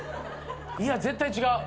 いや絶対違う。